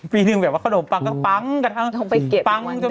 ปีหนึ่งแบบว่าขนมปังก็ปั๊งกระทางก็ปั๊ง